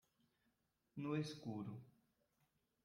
No escuro